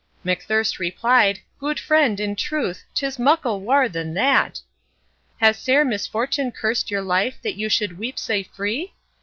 McThirst replied, 'Gude friend, in truth, 'Tis muckle waur than that.' 'Has sair misfortune cursed your life That you should weep sae free?